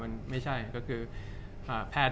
จากความไม่เข้าจันทร์ของผู้ใหญ่ของพ่อกับแม่